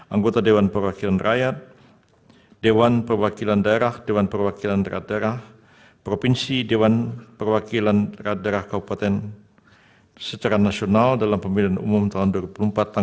anggota dewan perwakilan rakyat dewan perwakilan daerah dewan perwakilan rakyat daerah provinsi dewan perwakilan rakyat daerah kabupaten secara nasional dalam pemilihan umum tahun dua ribu dua puluh empat tanggal dua puluh maret tahun dua ribu dua puluh empat